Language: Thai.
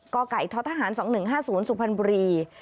กไก่ททห๒๑๕๐สุพันบุรี